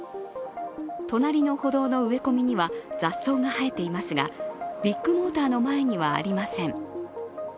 隣の歩道の植え込みには雑草が生えていますが、ビッグモーターの前にはありません。